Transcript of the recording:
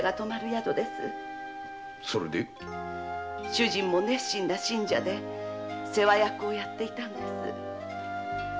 主人も熱心な信者で世話役をやっていたんです。